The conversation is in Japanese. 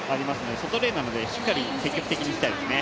外レーンなので、しっかり積極的にいきたいですね。